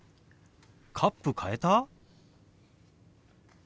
カップ変えた？